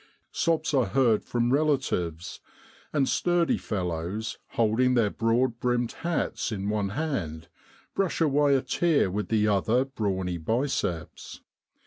Sobs are heard from relatives, and sturdy fellows, holding their broad brimmed hats in one hand, brush 136 DECEMBER IN SROADLAND. away a tear with the other brawny biceps.